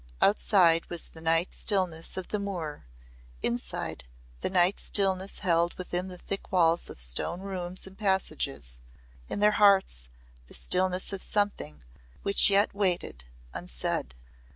Outside was the night stillness of the moor, inside the night stillness held within the thick walls of stone rooms and passages, in their hearts the stillness of something which yet waited unsaid.